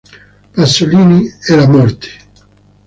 Pasolini e la morte.